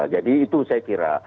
jadi itu saya kira